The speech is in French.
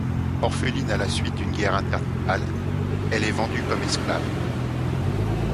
Orpheline à la suite d'une guerre intertribale, elle est vendue comme esclave.